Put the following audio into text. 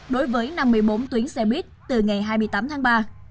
đối với năm mươi bốn tuyến xe buýt từ ngày hai mươi tám tháng ba